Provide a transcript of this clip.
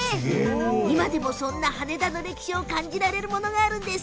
今でもそんな羽田の歴史を感じられるものがあるんです。